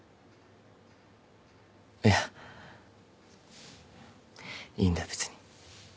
いやいいんだ別に。